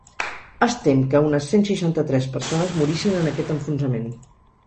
Es tem que unes cent seixanta-tres persones morissin en aquest enfonsament.